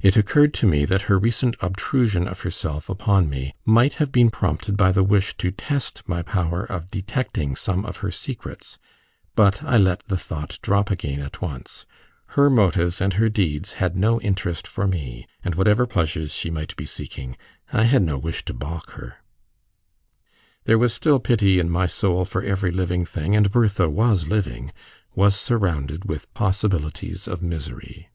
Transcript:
It occurred to me that her recent obtrusion of herself upon me might have been prompted by the wish to test my power of detecting some of her secrets; but I let the thought drop again at once: her motives and her deeds had no interest for me, and whatever pleasures she might be seeking, I had no wish to baulk her. There was still pity in my soul for every living thing, and Bertha was living was surrounded with possibilities of misery.